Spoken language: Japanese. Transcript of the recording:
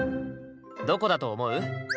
どこだと思う？